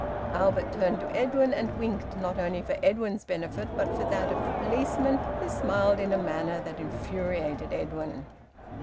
Albert turned to Edwin and winked, not only for Edwin's benefit but for that of the policeman, who smiled in a manner that infuriated Edwin.